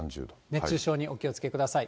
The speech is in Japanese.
熱中症にお気をつけください。